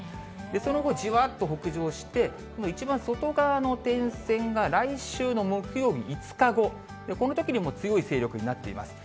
その後、じわっと北上して、一番外側の点線が来週の木曜日、５日後、このときにもう強い勢力になっています。